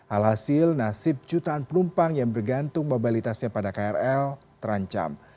alhasil nasib jutaan penumpang yang bergantung mobilitasnya pada krl terancam